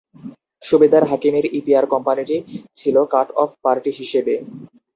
সুবেদার হাকিমের ইপিআর কোম্পানিটি ছিল কাট অফ পার্টি হিসেবে।